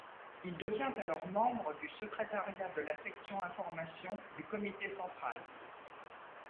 Il devient alors membre du secrétariat de la section information du Comité central.